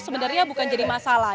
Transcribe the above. sebenarnya bukan jadi masalah